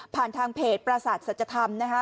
ผ่านทางเพจประสาทสัจธรรมนะคะ